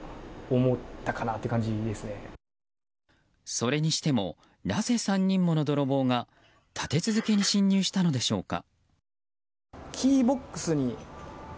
それにしても、なぜ３人もの泥棒が立て続けに侵入したのでしょうか。